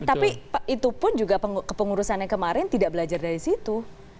tapi itu pun juga kepengurusannya kemarin tidak belajar dari situ